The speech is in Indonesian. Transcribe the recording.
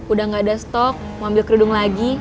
udah gak ada stok mau ambil kerudung lagi